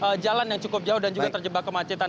karena jalan yang cukup jauh dan juga terjebak kemacetan